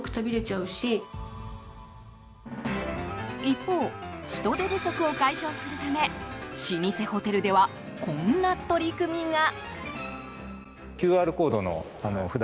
一方人手不足を解消するため老舗ホテルではこんな取り組みが。